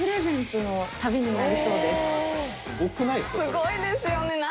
すごいですよね。